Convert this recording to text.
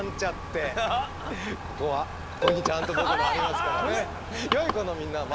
ここはここにちゃんと僕のありますからね。